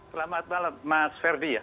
selamat malam mas ferdie